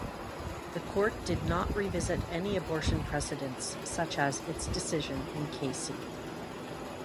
The Court did not revisit any abortion precedents, such as its decision in "Casey".